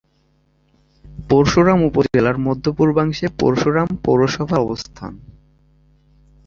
পরশুরাম উপজেলার মধ্য-পূর্বাংশে পরশুরাম পৌরসভার অবস্থান।